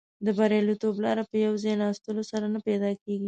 د بریالیتوب لاره په یو ځای ناستلو سره نه پیدا کیږي.